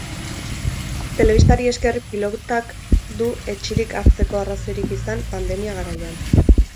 Telebistari esker, pilotak du etsirik hartzeko arrazoirik izan pandemia garaian.